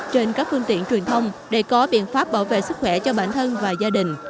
trên các phương tiện truyền thông để có biện pháp bảo vệ sức khỏe cho bản thân và gia đình